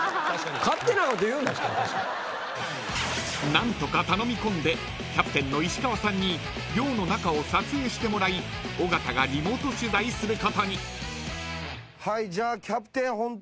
［何とか頼み込んでキャプテンの石川さんに寮の中を撮影してもらい尾形がリモート取材することに］